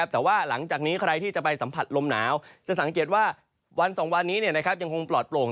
แต่ว่าหลังจากนี้ใครที่จะไปสัมผัสลมหนาวจะสังเกตว่าวัน๒วันนี้ยังคงปลอดโปร่ง